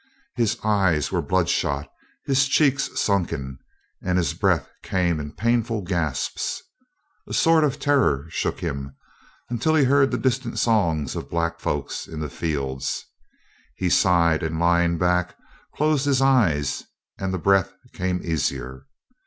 His eyes were blood shot, his cheeks sunken, and his breath came in painful gasps. A sort of terror shook him until he heard the distant songs of black folk in the fields. He sighed, and lying back, closed his eyes and the breath came easier.